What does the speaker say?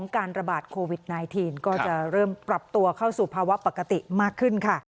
การระบาดโควิด๑๙ก็จะเริ่มปรับตัวเข้าสู่ภาวะปกติมากขึ้นค่ะ